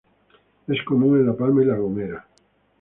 Es común en La Palma y La Gomera.